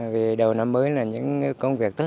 vì đầu năm mới là những công việc tốt